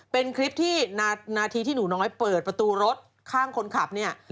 เป็นคลิปที่นาทีที่หนูน้อยเปิดประตูรถข้างคนขับเนี่ย